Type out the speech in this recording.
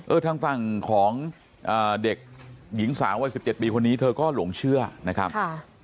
เออทางฟังของเด็กหญิงสาววัน๑๗ปีคนนี้เธอก็หลงเชื่อนะครับ